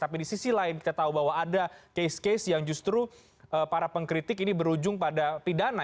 tapi di sisi lain kita tahu bahwa ada case case yang justru para pengkritik ini berujung pada pidana